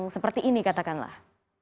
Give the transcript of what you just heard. seperti ini katakanlah